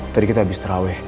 tadi kita habis terawih